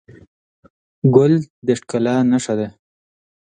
ګل د ښکلا نښه ده.